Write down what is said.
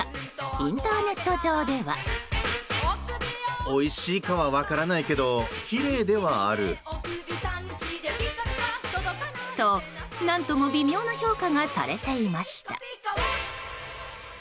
インターネット上では。と、何とも微妙な評価がされていました。